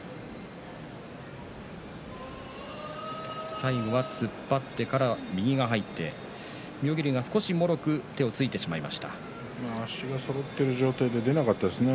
最後は突っ張ってから右が入って妙義龍、が少しもろく足がそろっている状態で出なかったですね。